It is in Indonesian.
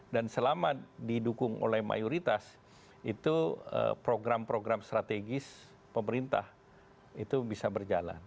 dan selama didukung oleh mayoritas itu program program strategis pemerintah itu bisa berjalan